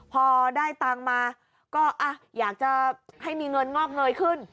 พอได้ตังค์มาก็อยากจะให้มีเงินงอกเงยขึ้น